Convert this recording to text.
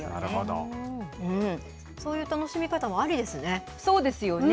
そういう楽しみ方もありですね。